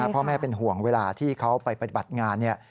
พ่อแม่เป็นห่วงเวลาที่เขาไปบัตรงาน